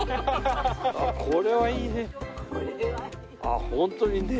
これはいいね。